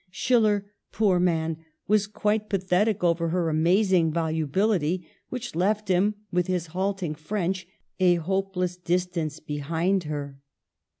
Schiller — poor man !— was quite pathetic over \ her amazing volubility, which left him, with his halting French, a hopeless distance behind her.